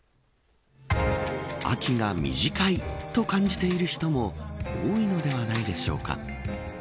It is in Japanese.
秋が短いと感じている人も多いのではないでしょうか。